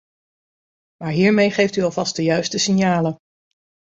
Maar hiermee geeft u alvast de juiste signalen.